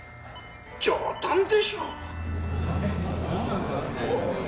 冗談でしょ？